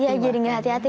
iya jadi nggak hati hati